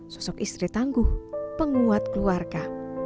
sosok istri tangguh penguat keluarga